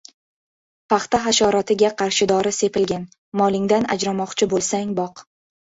— Paxta hasharotiga qarshi dori sepilgan, molingdan ajramoqchi bo‘lsang boq!